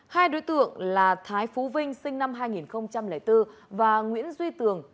hai đối tượng là thái phú vinh sinh năm hai nghìn bốn và nguyễn duy tường